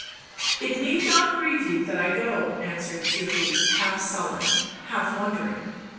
" It need not grieve you that I go," answered Theirry, half sullen, half wondering.